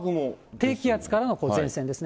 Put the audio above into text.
低気圧からの前線ですね。